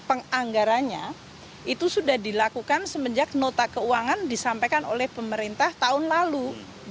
anggaranya itu sudah dilakukan semenjak nota keuangan disampaikan oleh pemerintah tahun lalu dua ribu tujuh belas